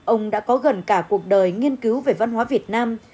ông đã có gần cả cuộc đời nghiên cứu về văn hóa việt nam